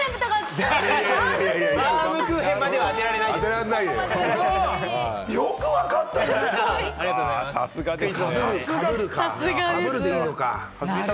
バウムクーヘンまでは当てらさすがです。